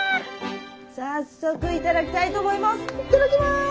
早速頂きたいと思います。